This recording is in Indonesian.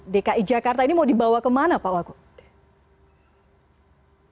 dki jakarta ini mau dibawa kemana pak wagub